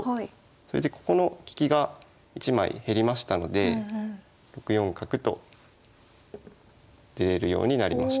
それでここの利きが１枚減りましたので６四角と出れるようになりました。